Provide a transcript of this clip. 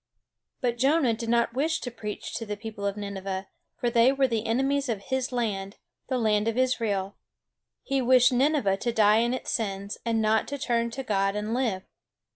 But Jonah did not wish to preach to the people of Nineveh; for they were the enemies of his land, the land of Israel. He wished Nineveh to die in its sins, and not to turn to God and live.